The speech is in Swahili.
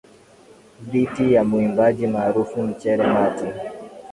dhiti ya mwimbaji maarufu michele mati